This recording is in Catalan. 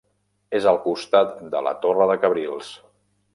És al costat de la Torre de Cabrils.